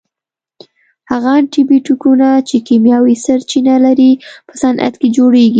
هغه انټي بیوټیکونه چې کیمیاوي سرچینه لري په صنعت کې جوړیږي.